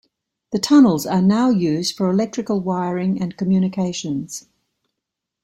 The tunnels are now used for electrical wiring and communications.